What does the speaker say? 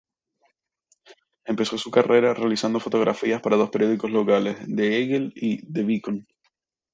Empezó su carrera realizando fotografías para dos periódicos locales, "The Eagle" y "The Beacon".